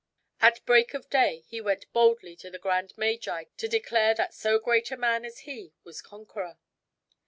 At break of day he went boldly to the grand magi to declare that so great a man as he was conqueror.